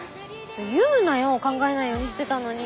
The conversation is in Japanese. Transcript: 言うなよ考えないようにしてたのに。